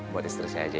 buat istri saya aja ya